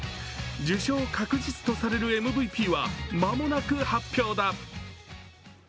受賞確実とされるＭＶＰは間もなく発表だ。